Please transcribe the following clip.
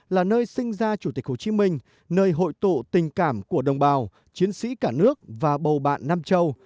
là nơi sinh ra chủ tịch hồ chí minh nơi hội tụ tình cảm của đồng bào chiến sĩ cả nước và bầu bạn nam châu